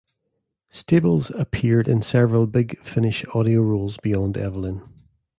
Stables appeared in several Big Finish audio roles beyond Evelyn.